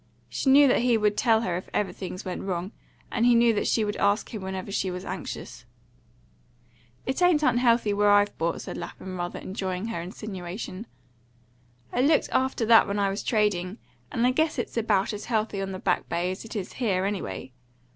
She knew that he would tell her if ever things went wrong, and he knew that she would ask him whenever she was anxious. "It ain't unhealthy where I've bought," said Lapham, rather enjoying her insinuation. "I looked after that when I was trading; and I guess it's about as healthy on the Back Bay as it is here, anyway.